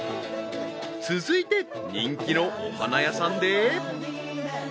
［続いて人気のお花屋さんで］